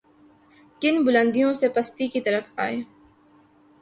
کن بلندیوں سے پستی کی طرف آئے۔